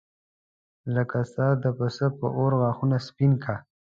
لکه سر د پسه په اور غاښونه سپین کا.